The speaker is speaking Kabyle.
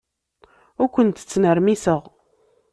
Ur kent-ttnermiseɣ.